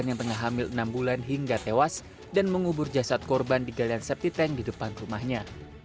tidak ada yang mengambil enam bulan hingga tewas dan mengubur jasad korban di galian septic tank di depan rumahnya